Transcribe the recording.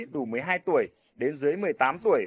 đủ một mươi hai tuổi đến dưới một mươi tám tuổi